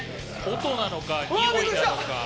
音なのか、においなのか。